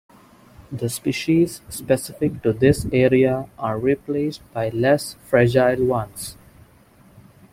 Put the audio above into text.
The species specific to this area are replaced by less fragile ones.